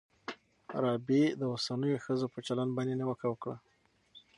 رابعې د اوسنیو ښځو په چلند باندې نیوکه وکړه.